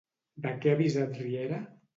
De què ha avisat Riera?